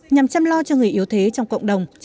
nhằm chăm lo cho người yếu thế trong cộng đồng